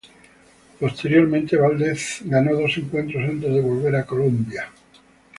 Posteriormente Valdez ganó dos encuentros antes de volver a Colombia.